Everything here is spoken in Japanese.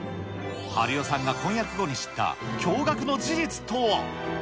晴代さんが婚約後に知った驚がくの事実とは。